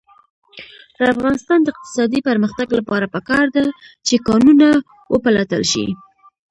د افغانستان د اقتصادي پرمختګ لپاره پکار ده چې کانونه وپلټل شي.